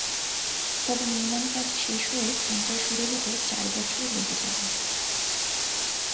তবে নির্মাণকাজ শেষ হয়ে সেন্টার শুরু হতে চার বছর লেগে যাবে।